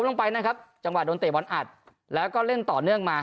ลงไปนะครับจังหวะโดนเตะบอลอัดแล้วก็เล่นต่อเนื่องมา